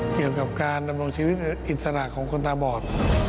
เกี่ยวกับการดำรงชีวิตอิสระของคนตาบอด